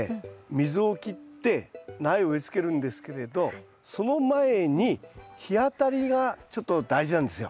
溝を切って苗を植えつけるんですけれどその前に日当たりがちょっと大事なんですよ。